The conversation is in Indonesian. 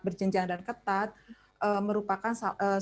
berjenjangan dan ketat merupakan alternatif